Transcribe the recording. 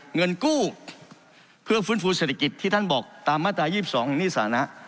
เงินกู้เพื่อฟื้นฟูเศรษฐกิจที่ท่านบอกตามมาตรา๒๒หนี้สานะ